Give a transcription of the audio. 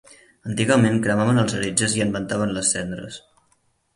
Antigament cremaven els heretges i en ventaven les cendres.